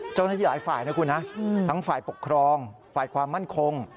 เจ้าหน้าที่หลายฝ่ายนะคุณนะทั้งฝ่ายปกครองฝ่ายความมั่นคง